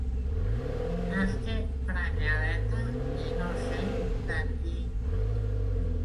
Estic prenyadeta i no sé de qui.